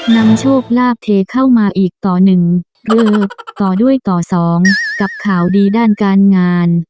นำโชคลาภเทเข้ามาอีกต่อหนึ่งหรือต่อด้วยต่อสองกับข่าวดีด้านการงาน